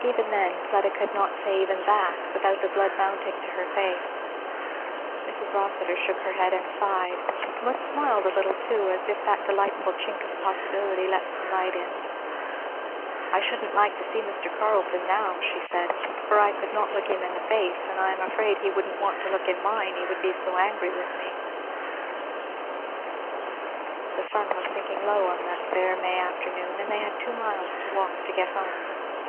Even then Fleda could not say even that without the blood mounting to her face. Mrs. Rossitur shook her head and sighed; but smiled a little too, as if that delightful chink of possibility let some light in. "I shouldn't like to see Mr. Carleton now," she said, "for I could not look him in the face; and I am afraid he wouldn't want to look in mine, he would be so angry with me." [Illustration: Slowly and lingeringly they moved away.] The sun was sinking low on that fair May afternoon and they had two miles to walk to get home.